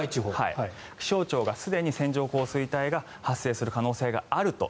気象庁がすでに線状降水帯が発生する可能性があると。